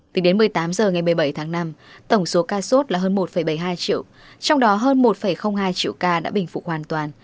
tính đến một mươi tám h ngày một mươi bảy tháng năm tổng số ca sốt là hơn một bảy mươi hai triệu trong đó hơn một hai triệu ca đã bình phục hoàn toàn